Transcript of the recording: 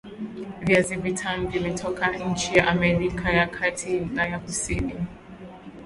viazi vitam vimetoka nchi ya Amerika ya Kati na ya Kusini